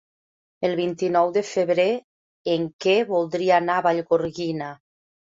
El vint-i-nou de febrer en Quer voldria anar a Vallgorguina.